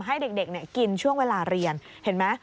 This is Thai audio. ให้เด็กกินช่วงเวลาเรียนเห็นไหม